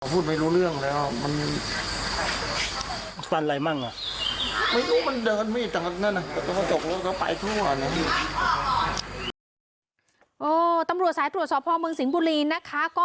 ฉันพูดไม่รู้เรื่องแล้ว